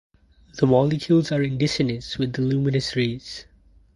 The molecules are in dissonance with the luminous rays.